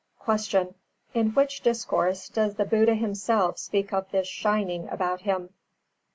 340. Q. _In which discourse does the Buddha himself speak of this shining about him?